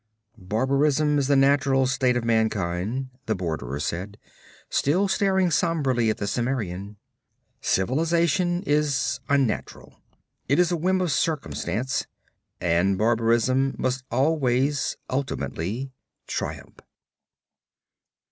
'Barbarism is the natural state of mankind,' the borderer said, still staring somberly at the Cimmerian. 'Civilization is unnatural. It is a whim of circumstance. And barbarism must always ultimately triumph.'